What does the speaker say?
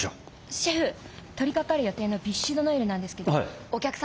シェフ取りかかる予定のビュッシュ・ド・ノエルなんですけど。